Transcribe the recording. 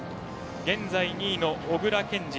現在２位の小椋健司。